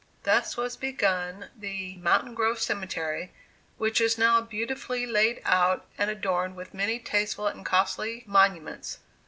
Thus was begun the "Mountain Grove Cemetery," which is now beautifully laid out and adorned with many tasteful and costly monuments.